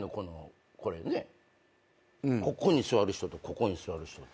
ここに座る人とここに座る人。